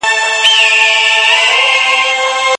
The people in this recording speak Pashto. ناهیلي ځوانان ژوند ته په غلطه لاره ګوري.